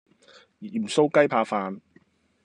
鹽酥雞扒飯